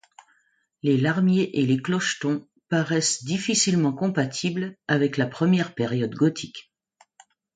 Les larmiers et les clochetons paraissent difficilement compatibles avec la première période gothique.